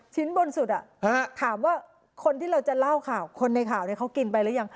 ชิ้นบนสุดถามว่าคนที่เราจะเล่าข่าวคนในข่าวเขากินไปหรือยัง